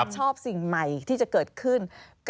ชอบสิ่งใหม่ที่จะเกิดขึ้น